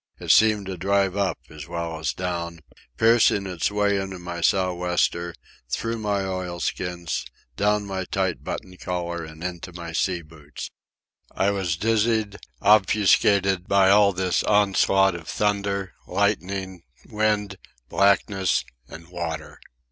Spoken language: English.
It seemed to drive up as well as down, piercing its way under my sou'wester, through my oilskins, down my tight buttoned collar, and into my sea boots. I was dizzied, obfuscated, by all this onslaught of thunder, lightning, wind, blackness, and water.